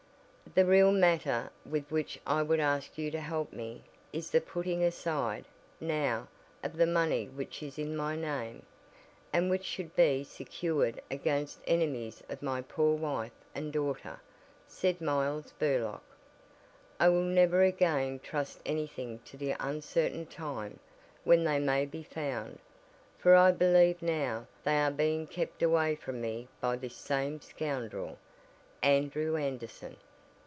"The real matter with which I would ask you to help me is the putting aside, now, of the money which is in my name, and which should be secured against enemies of my poor wife and daughter," said Miles Burlock. "I will never again trust anything to the uncertain time when they may be found, for I believe now they are being kept away from me by this same scoundrel, Andrew Anderson.